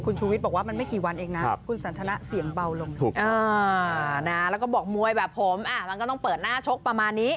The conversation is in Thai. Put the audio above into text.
พูดทิ้งแต่ก็แบบมแหม